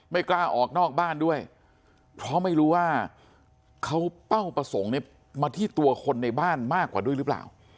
ไม่กล้าออกนอกบ้านด้วยเพราะไม่รู้ว่าเขาเป้าประสงค์มาที่ตัวคนในบ้านมากกว่าด้วยหรือเปล่า